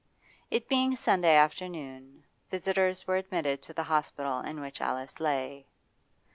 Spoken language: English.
It being Sunday afternoon, visitors were admitted to the hospital in which Alice lay.